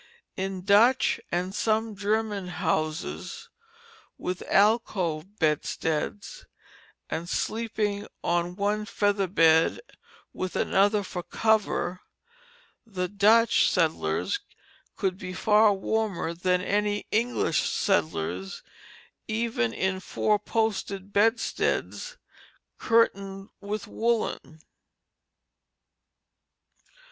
In Dutch and some German houses, with alcove bedsteads, and sleeping on one feather bed, with another for cover, the Dutch settlers could be far warmer than any English settlers, even in four post bedsteads curtained with woollen.